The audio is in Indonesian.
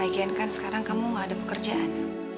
lagian kan sekarang kamu nggak ada pekerjaan